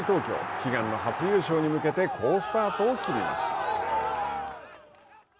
悲願の初優勝に向けて好スタートを切りました。